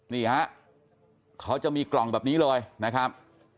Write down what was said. นี่ฮะเขาจะมีกล่องแบบนี้เลยนะครับ